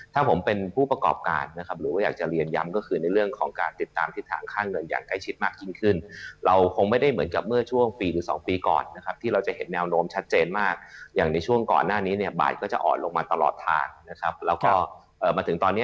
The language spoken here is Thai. ถ้าผมเป็นผู้ประกอบการณ์นะครับหรือว่าอยากจะเรียนย้ำก็คือ